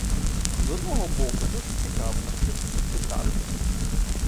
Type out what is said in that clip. З одного боку дуже цікаво — навчитися читати.